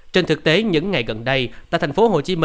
trên thực tế những ngày gần đây tại tp hcm